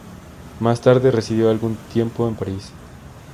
Más tarde residió algún tiempo en París.